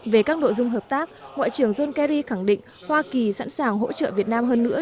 về các nội dung hợp tác ngoại trưởng john kerry khẳng định hoa kỳ sẵn sàng hỗ trợ việt nam hơn nữa